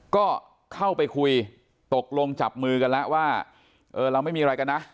ก็เข้าไปคุยตกลงจับมือกันแล้วว่าเออเราไม่มีอะไรกันนะ